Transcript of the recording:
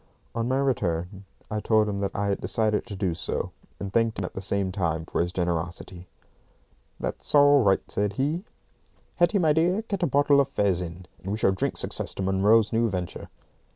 On my return, I told him that I had decided to do so, and thanked him at the same time for his generosity. "That's all right," said he. "Hetty, my dear, get a bottle of fez in, and we shall drink success to Munro's new venture."